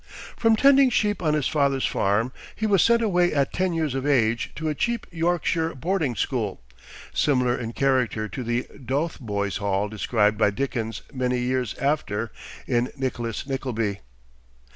From tending sheep on his father's farm, he was sent away at ten years of age to a cheap Yorkshire boarding school, similar in character to the Dotheboys Hall described by Dickens many years after in "Nicholas Nickleby."